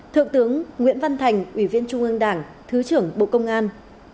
thượng tướng nguyễn văn thành ủy viên trung ương đảng thứ trưởng bộ công an